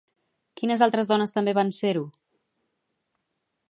Quines altres dones també van ser-ho?